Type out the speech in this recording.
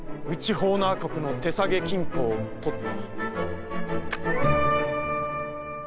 ホーナー国の手提げ金庫を取った」。